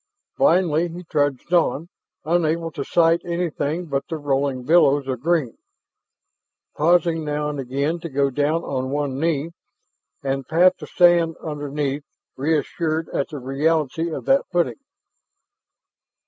Blindly he trudged on, unable to sight anything but the rolling billows of green, pausing now and again to go down on one knee and pat the sand underfoot, reassured at the reality of that footing.